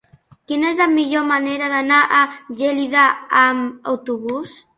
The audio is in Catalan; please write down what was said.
Quina és la millor manera d'anar a Gelida amb autobús?